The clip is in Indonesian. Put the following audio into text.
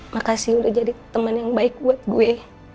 makasih udah jadi teman yang baik buat gue